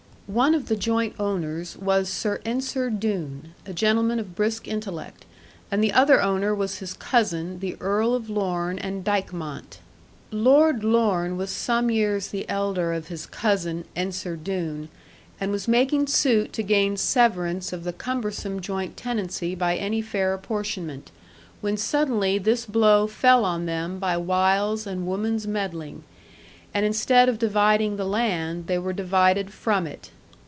One of the joint owners was Sir Ensor Doone, a gentleman of brisk intellect; and the other owner was his cousin, the Earl of Lorne and Dykemont. Lord Lorne was some years the elder of his cousin, Ensor Doone, and was making suit to gain severance of the cumbersome joint tenancy by any fair apportionment, when suddenly this blow fell on them by wiles and woman's meddling; and instead of dividing the land, they were divided from it.